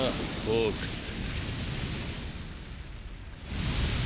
ホークス！